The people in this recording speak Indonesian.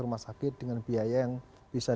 rumah sakit dengan biaya yang bisa